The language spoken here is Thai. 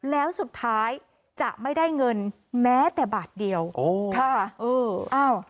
แล้วสุดท้ายจะไม่ได้เงินแม้แต่บาทเดียวโอ้ค่ะเอออ้าว